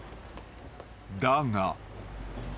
［だが］